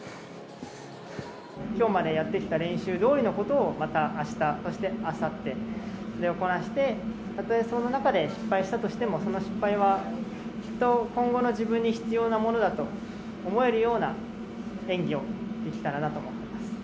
きょうまでやってきた練習どおりのことを、またあした、そしてあさって、それをこなして、たとえその中で失敗したとしても、その失敗は、きっと今後の自分に必要なものだと思えるような演技をできたらなと思ってます。